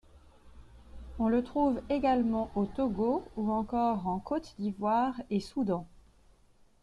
On le trouve également au Togo ou encore en Côte d'Ivoire et Soudan.